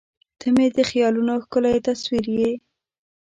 • ته مې د خیالونو ښکلی تصور یې.